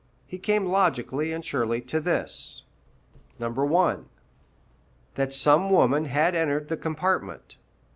He came logically and surely to this: 1. That some woman had entered the compartment.